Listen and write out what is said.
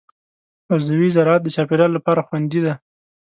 عضوي زراعت د چاپېریال لپاره خوندي دی.